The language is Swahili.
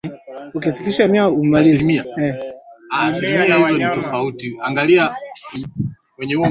amezaliwa tarehe nne mwezi wa nane mwaka elfu moja mia tisa sitini na moja